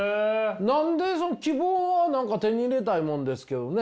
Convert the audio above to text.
何で希望は手に入れたいものですけどね。